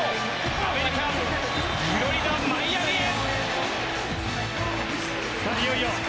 アメリカ・フロリダマイアミへ！